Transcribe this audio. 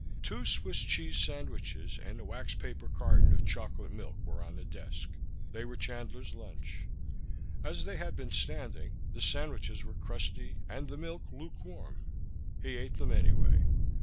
Two Swiss cheese sandwiches and a wax paper carton of chocolate milk were on the desk. They were Chandler's lunch. As they had been standing, the sandwiches were crusty and the milk lukewarm. He ate them anyway.